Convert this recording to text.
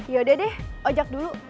yaudah deh ojak dulu